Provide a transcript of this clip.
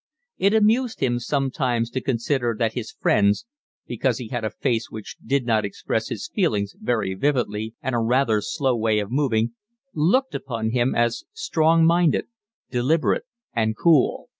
It amused him sometimes to consider that his friends, because he had a face which did not express his feelings very vividly and a rather slow way of moving, looked upon him as strong minded, deliberate, and cool.